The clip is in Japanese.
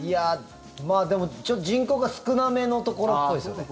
でも人口が少なめのところっぽいですよね。